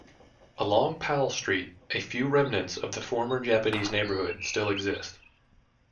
Along Powell Street, a few remnants of the former Japanese neighbourhood still exist.